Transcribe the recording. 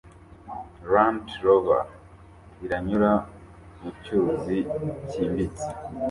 Land Rover iranyura mucyuzi cyimbitse